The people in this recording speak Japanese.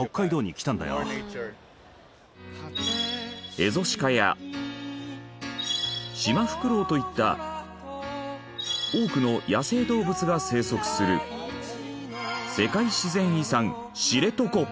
エゾシカやシマフクロウといった多くの野生動物が生息する世界自然遺産知床。